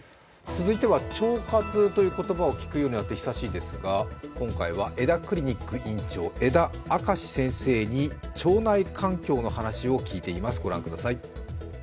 続いては、腸活という言葉を聞くようになって久しいですが、今回は江田クリニック院長、江田証先生に腸内環境の話を聞いています。